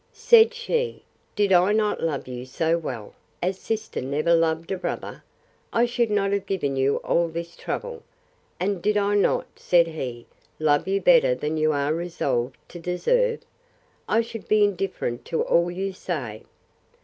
Said she, Did I not love you so well, as sister never loved a brother, I should not have given you all this trouble. And did I not, said he, love you better than you are resolved to deserve, I should be indifferent to all you say.